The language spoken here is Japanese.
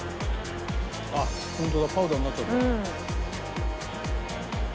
あっホントだパウダーになっちゃった。